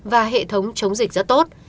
và hệ thống chống dịch rất tốt